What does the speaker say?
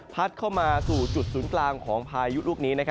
เข้ามาสู่จุดศูนย์กลางของพายุลูกนี้